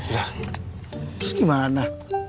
ya terus gimana